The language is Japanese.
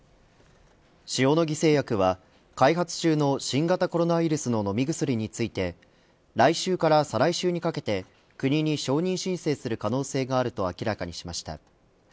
塩野義製薬は開発中の新型コロナウイルスの飲み薬について来週から再来週にかけて国に承認申請する可能性があると明らかにしました。